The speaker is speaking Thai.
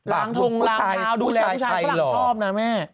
ลางถงรางพาวดูแลภายครำชอบนะแม่